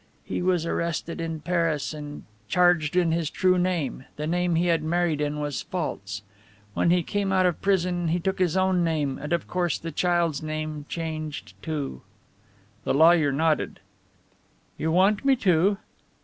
He was arrested in Paris and charged in his true name the name he had married in was false. When he came out of prison he took his own name and of course the child's name changed, too." The lawyer nodded. "You want me to